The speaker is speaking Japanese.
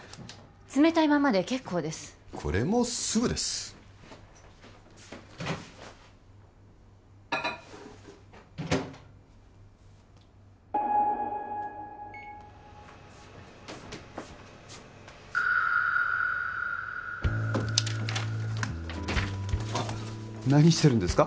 冷たいままで結構ですこれもすぐですあっ何してるんですか？